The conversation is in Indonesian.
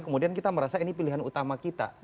kemudian kita merasa ini pilihan utama kita